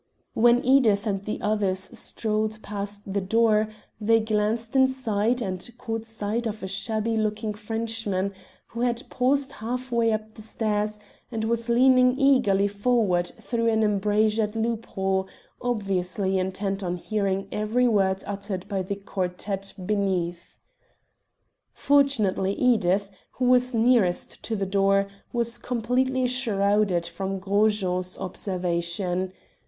When Edith and the others strolled past the door they glanced inside and caught sight of a shabby looking Frenchman, who had paused halfway up the stairs, and was leaning eagerly forward through an embrazured loophole, obviously intent on hearing every word uttered by the quartette beneath. Fortunately Edith, who was nearest to the door, was completely shrouded from Gros Jean's observation.